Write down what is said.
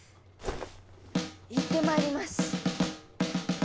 行ってまいります！